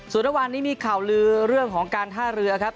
ส่วนเมื่อวานนี้มีข่าวลือเรื่องของการท่าเรือครับ